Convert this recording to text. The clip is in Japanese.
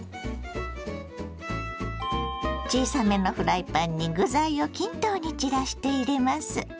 小さめのフライパンに具材を均等に散らして入れます。